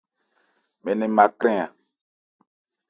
Mɛn nɛn ma krɛn a.